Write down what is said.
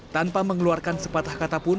tanpa mengeluarkan sepatah kata pun